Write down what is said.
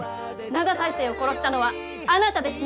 灘大聖を殺したのはあなたですね？